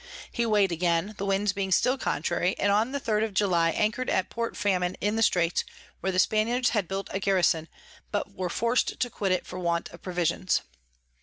He weighed again, the Winds being still contrary, and on the third of July anchor'd at Port Famine in the Straits, where the Spaniards had built a Garison, but were forc'd to quit it for want of Provisions.